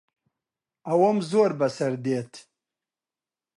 ئەوەم زۆر بەسەر دێت.